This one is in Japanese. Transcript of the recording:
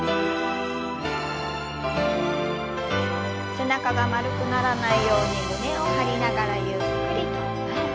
背中が丸くならないように胸を張りながらゆっくりと前。